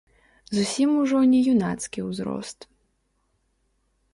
Зусім ужо не юнацкі ўзрост.